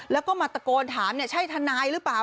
แล้วก็มาตะโกนถามใช่ทนายหรือเปล่า